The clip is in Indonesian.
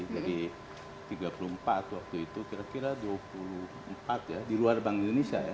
jadi tiga puluh empat waktu itu kira kira dua puluh empat ya di luar bank indonesia